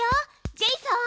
ジェイソン。